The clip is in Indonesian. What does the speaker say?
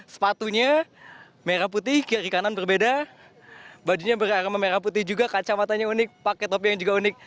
sepatunya merah putih kiri kanan berbeda bajunya beraroma merah putih juga kacamatanya unik pakai topi yang juga unik